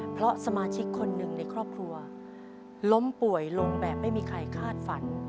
เพราะสมาชิกคนหนึ่งในครอบครัวล้มป่วยลงแบบไม่มีใครคาดฝัน